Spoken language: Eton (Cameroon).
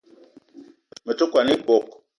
Me te kwan ebog